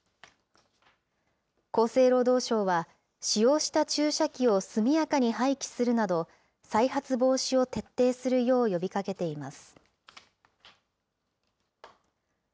厚生労働省は、使用した注射器を速やかに廃棄するなど、再発防止を徹底するよう呼びかけています。